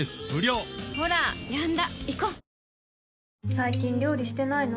最近料理してないの？